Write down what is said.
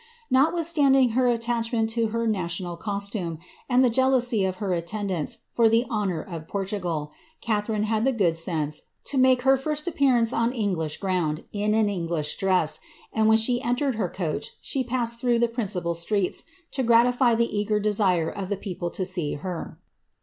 Notwithstanding her attachment to her national costume, and the jealousy of her attendants for the honour of Portugal, Catharine had the good sense to make her first appearance on English ground in an English dress, and when she entered her coach, she passed through tlie principal streets, to gratify the eager desire of the people to •ee her.